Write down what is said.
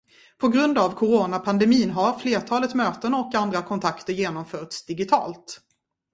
På grund av coronapandemin har flertalet möten och andra kontakter genomförts digitalt.